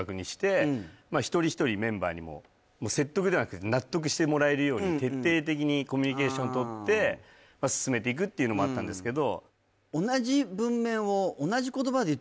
１人１人メンバーにもしてもらえるように徹底的にコミュニケーションとって進めていくっていうのもあったんですけど